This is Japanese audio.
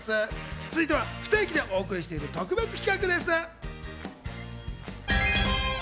続いては不定期でお送りしている特別企画です。